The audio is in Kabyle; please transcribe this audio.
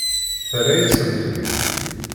Terra-yasen-ten-id?